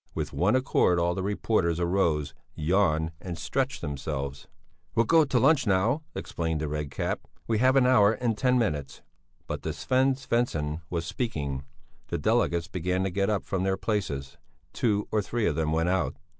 With one accord all the reporters arose, yawned and stretched themselves. "We'll go to lunch now," explained the Red Cap. "We have an hour and ten minutes." But Sven Svensson was speaking. The delegates began to get up from their places; two or three of them went out.